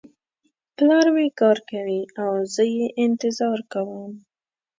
پلار مې کار کوي او زه یې انتظار کوم